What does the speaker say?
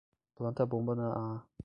Planta a bomba na A